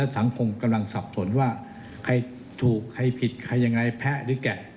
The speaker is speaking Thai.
สังคมกำลังสับสนว่าใครถูกใครผิดใครยังไงแพ้หรือแกะ